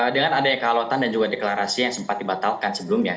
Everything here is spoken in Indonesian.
dengan adanya kealotan dan juga deklarasi yang sempat dibatalkan sebelumnya